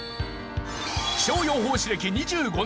気象予報士歴２５年！